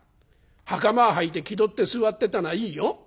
袴はいて気取って座ってたのはいいよ。